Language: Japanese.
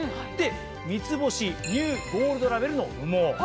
３つ星ニューゴールドラベルの羽毛。